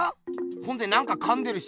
ほんで何かかんでるし。